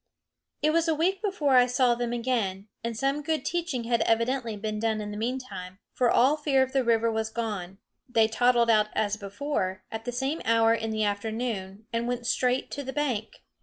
It was a week before I saw them again, and some good teaching had evidently been done in the meantime; for all fear of the river was gone. They toddled out as before, at the same hour in the afternoon, and went straight to the bank.